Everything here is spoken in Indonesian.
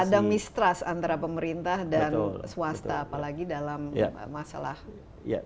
ada mistrust antara pemerintah dan swasta apalagi dalam masalah